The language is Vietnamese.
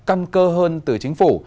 căn cơ hơn từ chính phủ